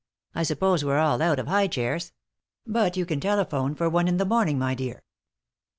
I suppose we're all out of high chairs; but you can telephone for one in the morning, my dear."